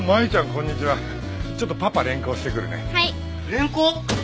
連行！？